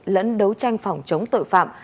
lẫn đấu tranh phòng chống tội phạm